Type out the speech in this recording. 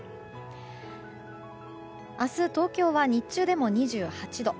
明日、東京は日中でも２８度。